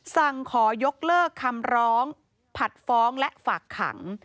สั่งขอยกเลิกคำร้องผัดฟ้องและฝากขัง